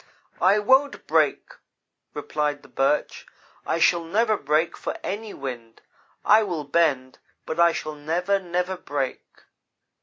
"'I won't break,' replied the Birch; 'I shall never break for any wind. I will bend, but I shall never, never break.'